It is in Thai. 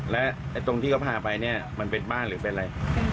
แล้วตรงที่เขาพาไปเนี่ยมันเป็นบ้านหรือเป็นอะไร